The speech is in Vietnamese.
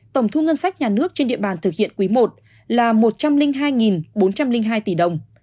tổng thu ngân sách nhà nước trên địa bàn thực hiện quý i là một trăm linh hai bốn trăm linh hai tỷ đồng